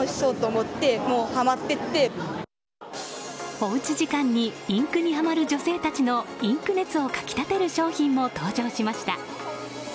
おうち時間にインクにはまる女性たちのインク熱を掻き立てる商品も登場しました。